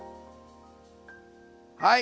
はい。